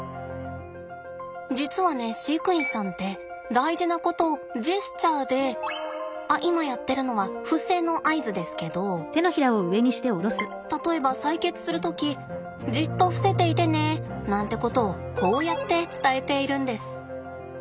実はね飼育員さんって大事なことをジェスチャーであっ今やってるのは伏せの合図ですけど例えば採血する時「じっと伏せていてね」なんてことをこうやって伝えているんです。